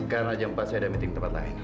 karena jam empat saya ada meeting tempat lain